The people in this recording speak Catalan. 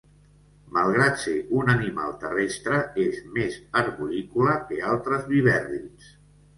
Malgrat ser un animal terrestre, és més arborícola que altres vivèrrids.